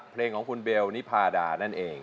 เพลงของคุณเบลนิพาดานั่นเอง